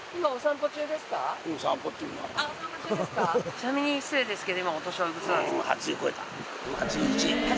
ちなみに失礼ですけど。